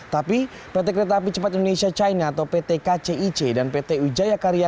tapi pt kereta api cepat indonesia china atau pt kcic dan pt ujaya karya